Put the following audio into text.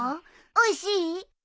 おいしい？